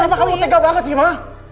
emang kamu tega banget sih ma